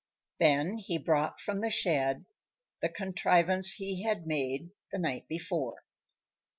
Then he brought from the shed the contrivance he had made the night before.